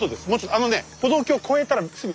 あのね歩道橋越えたらすぐ。